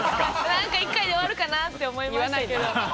なんか１回で終わるかなって思いましたけど。